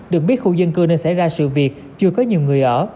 được biết khu dân cư nơi xảy ra sự việc chưa có nhiều người ở